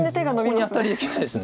ここにアタリできないです